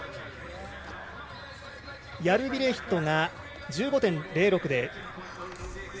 ヤルビレヒトが１５．０６。